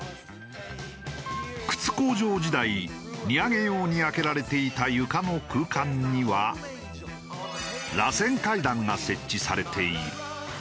靴工場時代荷揚げ用に開けられていた床の空間にはらせん階段が設置されている。